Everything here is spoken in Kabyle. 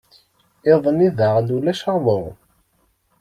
Iḍ-nni daɣen ulac aḍu.